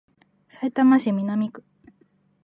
さいたま市南区